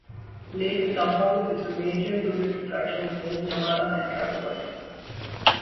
Lake Tahoe is a major tourist attraction in both Nevada and California.